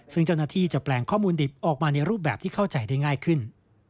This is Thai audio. ซึ่งเจ้าหน้าที่จะแปลงข้อมูลดิบออกมาในรูปแบบที่เข้าใจได้ง่ายขึ้น